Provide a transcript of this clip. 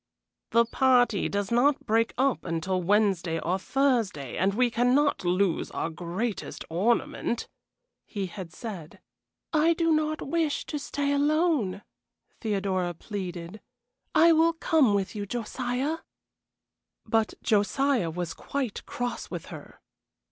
"The party does not break up until Wednesday or Thursday, and we cannot lose our greatest ornament," he had said. "I do not wish to stay alone," Theodora pleaded. "I will come with you, Josiah." But Josiah was quite cross with her.